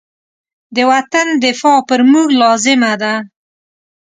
د وطن دفاع پر موږ لازمه ده.